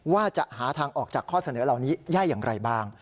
ว่าจะหาทางออกจากข้อเสนอเหล่านี้ได้อย่างไรบ้าง